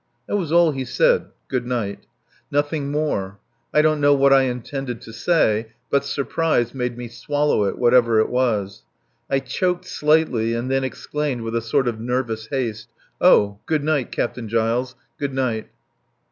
That was all he said: "Good night." Nothing more. I don't know what I intended to say, but surprise made me swallow it, whatever it was. I choked slightly, and then exclaimed with a sort of nervous haste: "Oh! Good night, Captain Giles, good night."